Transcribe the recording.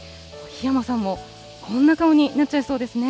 檜山さんもこんな顔になっちゃいそうですね。